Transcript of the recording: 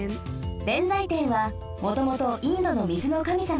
弁財天はもともとインドの水の神様です。